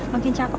makin cakep tau